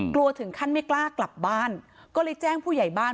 ถึงขั้นไม่กล้ากลับบ้านก็เลยแจ้งผู้ใหญ่บ้าน